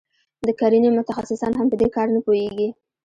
د کرنې متخصصان هم په دې کار نه پوهیږي.